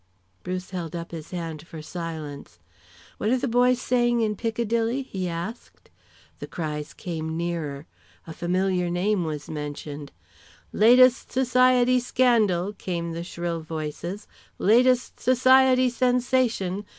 Bruce held up his hand for silence. "What are the boys saying in Piccadilly?" he asked. The cries came nearer; a familiar name was mentioned. "Latest society scandal!" came the shrill voices. "Latest society sensation!